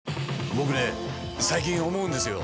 僕ね最近思うんですよ。